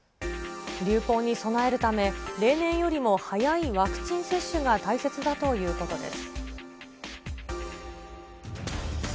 流行に備えるため、例年よりも早いワクチン接種が大切だということです。